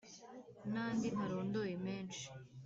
n'andi ntarondoye menshi